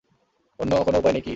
অন্য কোনো উপায় নেই কি?